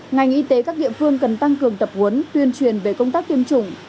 ngành y tế các địa phương cần tăng cường tập huấn tuyên truyền về công tác tiêm chủng